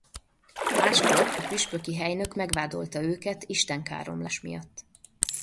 Máskor a püspöki helynök megvádolta őket istenkáromlás miatt.